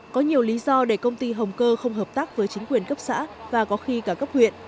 có nhiều lý do để công ty hồng cơ không hợp tác với chính quyền cấp xã và có khi cả cấp huyện